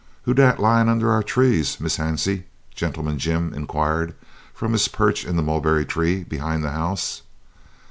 "Who dat lying under our trees, Miss Hansie?" "Gentleman Jim" inquired, from his perch in the mulberry tree behind the house.